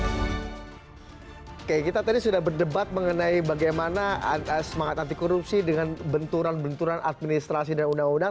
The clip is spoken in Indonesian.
oke kita tadi sudah berdebat mengenai bagaimana semangat anti korupsi dengan benturan benturan administrasi dan undang undang